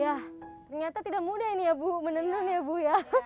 ya ternyata tidak mudah ini ya bu menenun ya bu ya